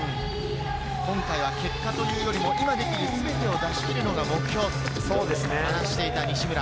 今回は結果というよりも今できるすべてを出し切るのが目標、そう話していた西村。